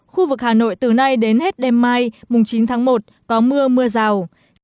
khu vực hà nội từ nay đến hết đêm mai mùng chín tháng một có mưa mưa rào